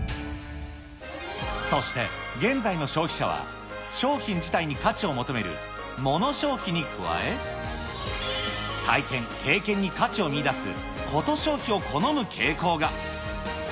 そして、現在の消費者は、商品自体に価値を求めるモノ消費に加え、体験、経験に価値を見いだすコト消費を好む傾向が。